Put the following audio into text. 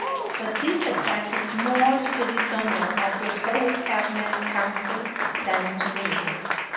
But this attack is more to the dishonor of the whole cabinet coun cil than to me.